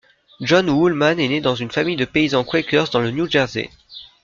John Woolman est né dans une famille de paysans quakers dans le New Jersey.